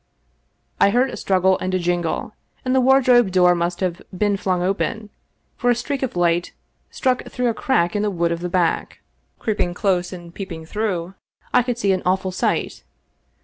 I heard a struggle and a jingle, then the wardrobe door must have been flung open, for a streak of light struck through a crack in the wood of the back. Creeping close and peeping through, I could see an awful sight.